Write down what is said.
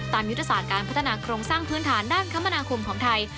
ยุทธศาสตร์การพัฒนาโครงสร้างพื้นฐานด้านคมนาคมของไทย